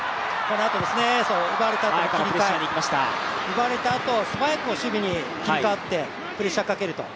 奪われたあと素早く守備に切り替わってプレッシャーをかけると。